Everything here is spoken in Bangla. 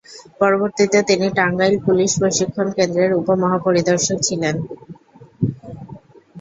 পরবর্তীতে তিনি টাঙ্গাইল পুলিশ প্রশিক্ষণ কেন্দ্রের উপ মহা-পরিদর্শক ছিলেন।